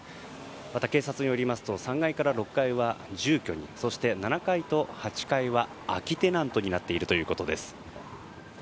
また、警察によりますと３階から６階は住居にそして７階と８階は空きテナントになっているということです。